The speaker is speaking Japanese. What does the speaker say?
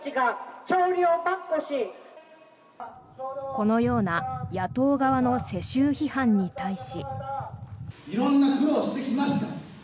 このような野党側の世襲批判に対し。